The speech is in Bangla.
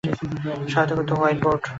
সহায়তা করেছে হোয়াইট বোর্ড।